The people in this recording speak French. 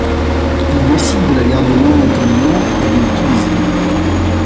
Ils décident de la garder momentanément et de l'utiliser.